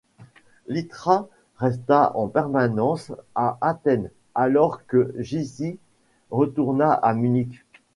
Lytras resta en permanence à Athènes, alors que Gysis retourna à Munich.